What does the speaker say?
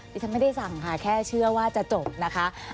ฉันไม่ได้สั่งค่ะแค่เชื่อว่าจะจบนะคะ